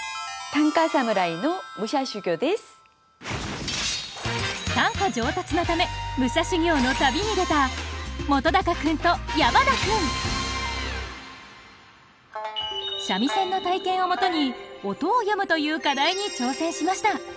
短歌上達のため武者修行の旅に出た本君と矢花君三味線の体験をもとに「音を詠む」という課題に挑戦しました。